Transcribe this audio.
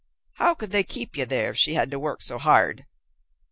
"How could they keep you there if she had to work so hard?"